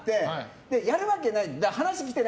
でも、やるわけない。